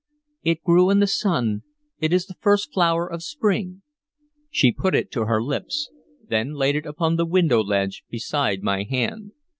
"It grew in the sun. It is the first flower of spring." She put it to her lips, then laid it upon the window ledge beside my hand.